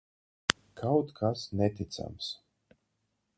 Kaut kas neticams.